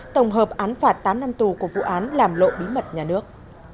tổng hợp án phạt tám năm tù của vụ án làm lộ bí mật nhà nước